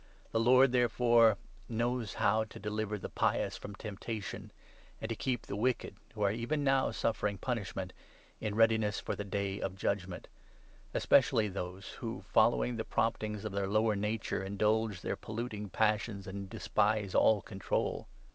The 9 Lord, therefore, knows how to deliver the pious from tempta tion, and to keep the wicked, who are even now suffering punishment, in readiness for ' the Day of Judgement '— especially those who, following the promptings of their lower 10 nature, indulge their polluting passions and despise all control.